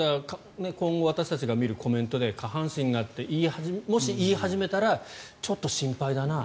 今後私たちが見るコメントで下半身がってもし言い始めたらちょっと心配だなと。